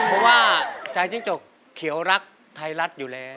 เพราะว่าใจจิ้งจกเขียวรักไทยรัฐอยู่แล้ว